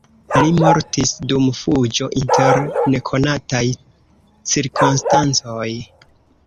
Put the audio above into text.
Li mortis dum fuĝo inter nekonataj cirkonstancoj.